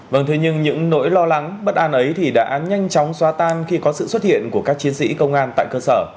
vâng thế nhưng những nỗi lo lắng bất an ấy thì đã nhanh chóng xóa tan khi có sự xuất hiện của các chiến sĩ công an tại cơ sở